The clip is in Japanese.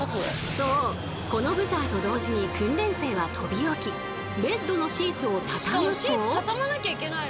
そうこのブザーと同時に訓練生は飛び起きベッドのシーツを畳むと。